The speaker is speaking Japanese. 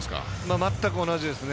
全く同じですね。